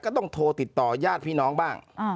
ก็ต้องโทรติดต่อญาติพี่น้องบ้าง